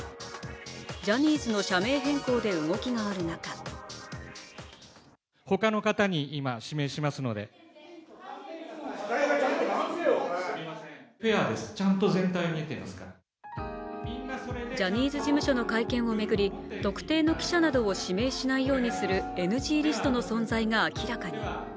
ジャニーズの社名変更で動きがある中ジャニーズ事務所の会見を巡り、特定の記者などを指名しないようにするＮＧリストの存在が明らかに。